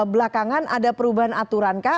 belakangan ada perubahan aturankah